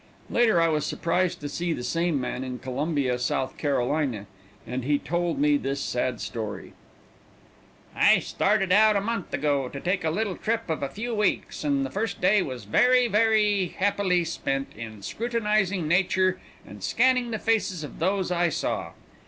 Later I was surprised to see the same man in Columbia, South Carolina, and he then told me this sad story: "I started out a month ago to take a little trip of a few weeks, and the first day was very, very happily spent in scrutinizing nature and scanning the faces of those I saw.